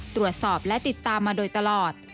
ตรวจสอบและติดตามมาโดยตลอด